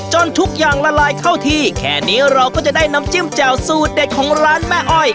ทุกอย่างละลายเข้าที่แค่นี้เราก็จะได้น้ำจิ้มแจ่วสูตรเด็ดของร้านแม่อ้อย